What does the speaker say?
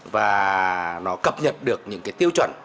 và nó cập nhật được những cái tiêu chuẩn